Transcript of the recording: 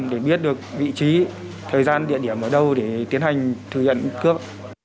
để biết được vị trí thời gian địa điểm ở đâu để tiến hành thử nhận cướp